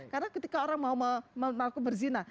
karena ketika orang mau melakukan berzina